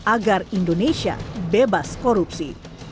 agar indonesia bebas korupsi